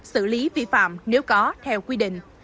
xử lý vi phạm nếu có theo quy định